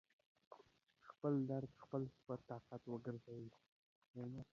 خپل درد خپل سُوپر طاقت وګرځوئ